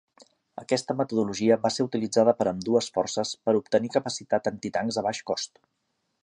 Aquesta metodologia va ser utilitzada per ambdues forces per obtenir capacitat antitancs a baix cost.